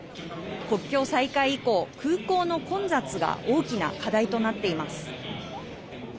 国境再開以降、空港の混雑が大きな課題となっています。